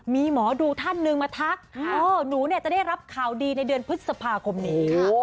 มีหมอดูท่านหนึ่งมาทักหนูจะได้รับข่าวดีในเดือนพฤษภาคมนี้